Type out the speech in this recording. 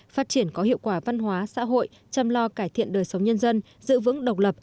phát triển có hiệu quả văn hóa xã hội chăm lo cải thiện đời sống nhân dân giữ vững độc lập